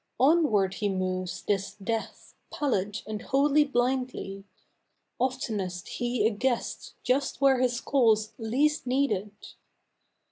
Onward he moves, this Death, pallid and wholly blindly. Oftenest he a guest just where his call's least needed.